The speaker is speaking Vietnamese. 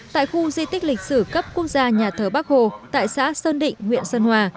tại khu di tích lịch sử cấp quốc gia nhà thờ bắc hồ tại xã sơn định huyện sơn hòa